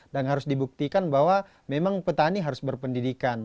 dan harus dibuktikan bahwa memang petani harus berpendidikan